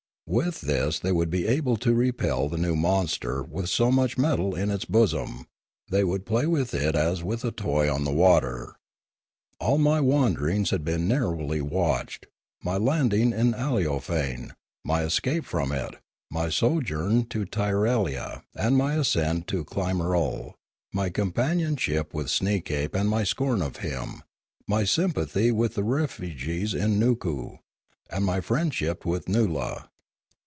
With this they would be able to repel the new monster with so much metal in its bosom; they would play with it as with a toy on the water. All my wan derings had been narrowly watched, my landing in Aleofane, my escape from it, my sojourn in Tirralaria and ascent of Klimarol, my companionship with Sneek ape and my scorn of him, my sympathy with the refugees in Nookoo, and my friendship with Noola.